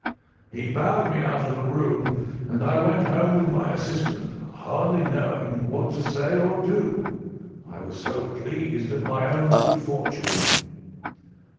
He bowed me out of the room and I went home with my assistant, hardly knowing what to say or do, I was so pleased at my own good fortune.